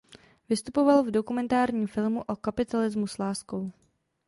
Vystupovala v dokumentárním filmu "O kapitalismu s láskou".